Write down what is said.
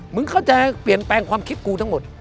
มึงเข้าใจเปลี่ยนแปลงความคิดกูทั้งหมด